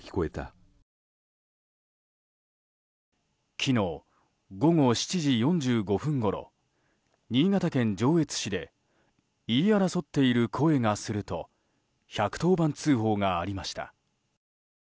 昨日午後７時４５分ごろ新潟県上越市で言い争っている声がすると１１０番通報がありました。